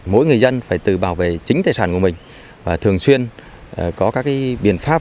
mỗi người dân phải tự bảo vệ chính tài sản của mình và thường xuyên có các biện pháp